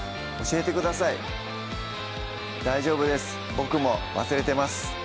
僕も忘れてます